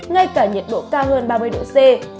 ngay cả nhiệt độ cao hơn ba mươi độ c